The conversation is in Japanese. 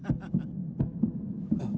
あっ。